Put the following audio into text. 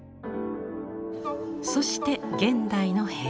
そして現代の部屋。